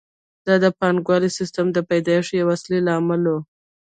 دا د پانګوالي سیسټم د پیدایښت یو اصلي لامل وو